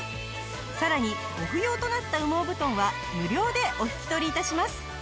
さらにご不要となった羽毛布団は無料でお引き取り致します。